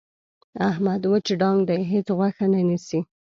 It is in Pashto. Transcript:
احمد وچ ډانګ دی. هېڅ غوښه نه نیسي.